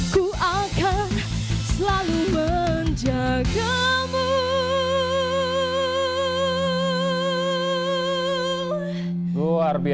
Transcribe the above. ku akan selalu menjagamu